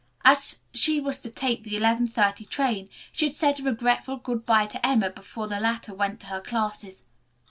As she was to take the eleven thirty train she had said a regretful good bye to Emma before the latter went to her classes.